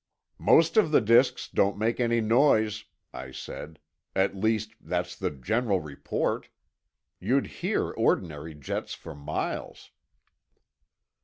"Most of the disks don't make any noise," I said. "At least, that's the general report. You'd hear ordinary jets for miles."